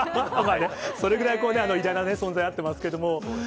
それぐらい、偉大な存在になっていますけれども。